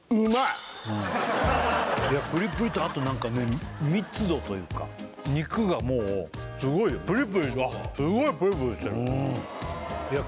プリプリとあと何かね密度というか肉がもうすごいよプリプリすごいプリプリしてるいや